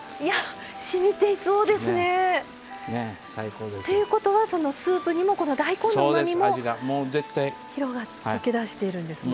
しみていそうですね。ということは、スープにも大根のうまみも溶け出しているんですね。